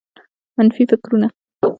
منفي فکرونه